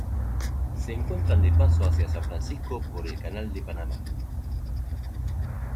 Se encuentran de paso hacia San Francisco por el Canal de Panamá.